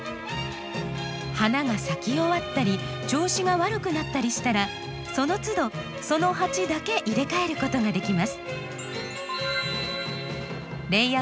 花が咲き終わったり調子が悪くなったりしたらそのつどその鉢だけ入れ替えることができます。